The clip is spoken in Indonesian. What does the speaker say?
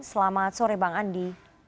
selamat sore bang andi